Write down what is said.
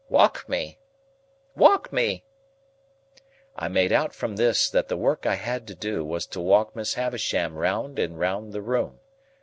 Walk me, walk me!" I made out from this, that the work I had to do, was to walk Miss Havisham round and round the room.